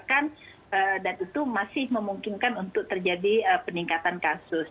dan itu masih memungkinkan untuk terjadi peningkatan kasus